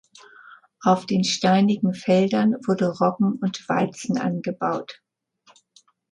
Auf den steinigen Feldern wurde Roggen und Weizen angebaut.